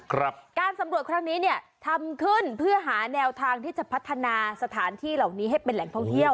การสำรวจครั้งนี้เนี่ยทำขึ้นเพื่อหาแนวทางที่จะพัฒนาสถานที่เหล่านี้ให้เป็นแหล่งท่องเที่ยว